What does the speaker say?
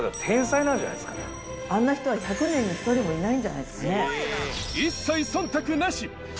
あんな人は１００年に１人もいないんじゃないですか？